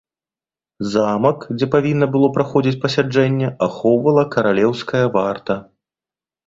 Замак, дзе павінна было праходзіць пасяджэнне, ахоўвала каралеўская варта.